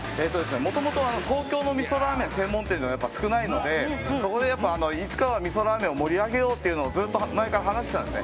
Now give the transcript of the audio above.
もともと、東京の味噌ラーメン専門店は少ないのでそこでいつかは味噌ラーメンを盛り上げようとずっと前から話してたんです。